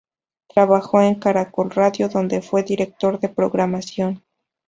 Trabajó en Caracol Radio, donde fue director de programación.